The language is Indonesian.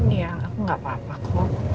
iya aku enggak apa apa kok